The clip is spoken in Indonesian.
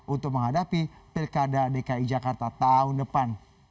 untuk menghadapi pilkada dki jakarta tahun depan